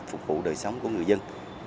phục vụ đời sống của người dân